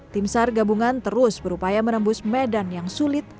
tim sar gabungan terus berupaya menembus medan yang sulit